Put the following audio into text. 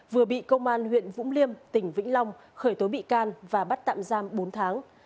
vừa bị công an huyện vũng liêm tỉnh vĩnh long khởi tố bị can và bắt tạm giam bốn tháng